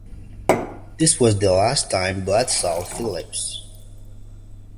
This was the last time Bride saw Phillips.